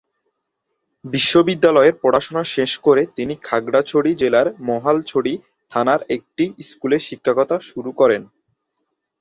বিশ্ববিদ্যালয়ের পড়াশোনা শেষ করে তিনি খাগড়াছড়ি জেলার মহালছড়ি থানার একটি স্কুলে শিক্ষকতা শুরু করেন।